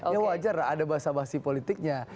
ya wajar ada bahasa bahasi politiknya